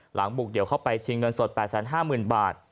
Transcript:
บุกเดี่ยวเข้าไปชิงเงินสด๘๕๐๐๐บาท